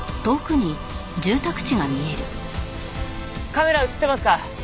カメラ映ってますか？